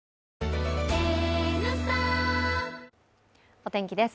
お天気です、